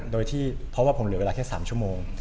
โดยที่เพราะว่าผมเหลือเวลาแค่๓ชั่วโมง